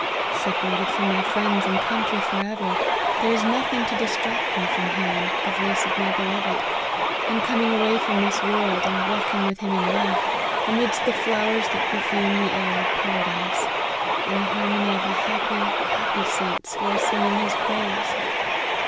" Separated from my friends and country for ever, there is nothing to distract me from hearing 4 the voice of my beloved,' and coming away from this world, and walking with him in love, amidst the flowers that perfume the air of paradise, and the harmony of the happy, happy saints who are singing his praise.